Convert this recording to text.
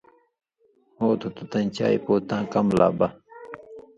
”ہُو تُھو تُو تَیں چائ پُو تاں کمہۡ لا بہ“